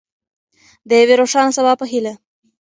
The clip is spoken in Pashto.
د یوې روښانه سبا په هیله.